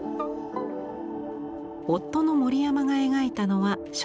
夫の守山が描いたのは食卓。